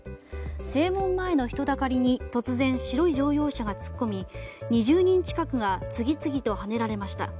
正門前の人だかりに突然白い乗用車が突っ込み２０人近くが次々とはねられました。